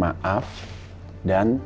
maafin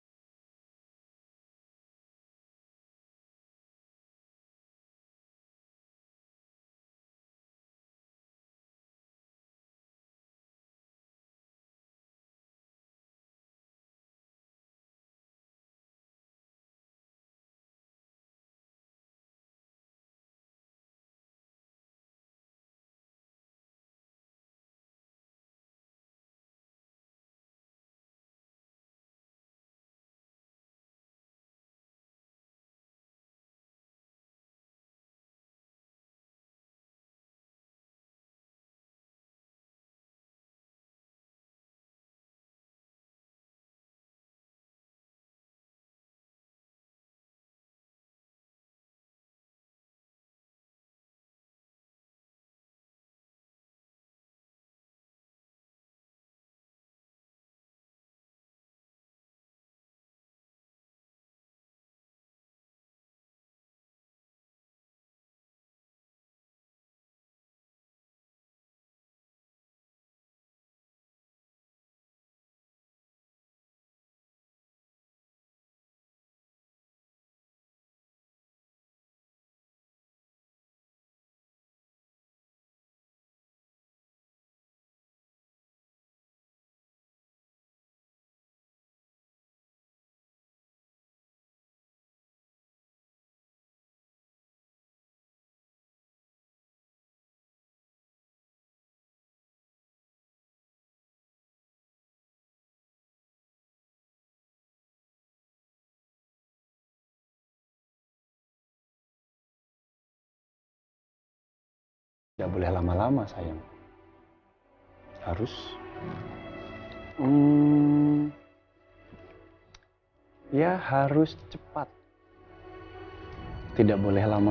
kesalahan om baik